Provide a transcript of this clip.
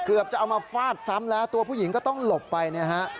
เกือบจะเอามาฟาดซ้ำแล้วตัวผู้หญิงก็ต้องหลบไปเนี่ยฮะ